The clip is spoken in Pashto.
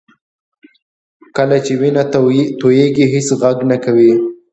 کله چې وینه تویېږي هېڅ غږ نه کوي